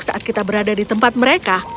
saat kita berada di tempat mereka